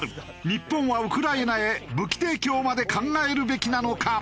日本はウクライナへ武器提供まで考えるべきなのか？